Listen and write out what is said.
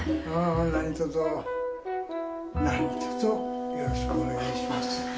何とぞ何とぞよろしくお願いします。